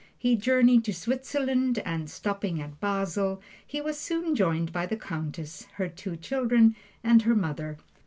He journeyed to Switzerland, and stopping at Basle he was soon joined by the Countess, her two children, and her mother.